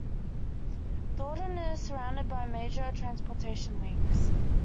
Thorndon is surrounded by major transportation links.